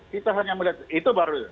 kita hanya melihat itu baru